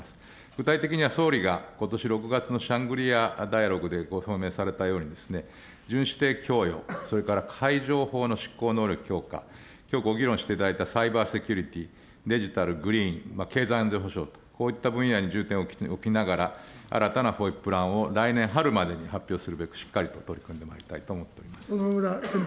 具体的には総理がことし６月のシャングリアダイアログでご表明されたように、巡視艇供与、それから海上法執行能力の強化、きょうご議論していただいたサイバーセキュリティ、デジタル、グリーン、経済安全保障とこういった分野に重点を置きながら、新たなＦＯＩＰ案を来年春までに発表するべく、しっかりと取り組んでまいりたいと思っております。